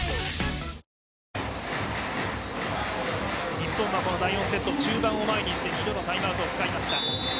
日本はこの第４セット中盤を前に２度のタイムアウトを使いました。